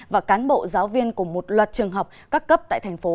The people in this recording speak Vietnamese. và cán bộ giáo viên của một loạt trường học các cấp tại thành phố